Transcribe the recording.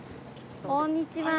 こんにちは。